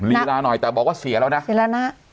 หลีลาหน่อยแต่บอกว่าเสียแล้วนะ